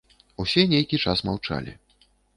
Усе нейкі час маўчалі.